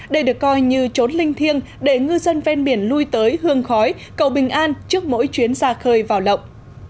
đây được coi như trốn linh thiêng để ngư dân ven biển lui tới hương khói cầu bình an trước mỗi chuyến ra khơi vào lộng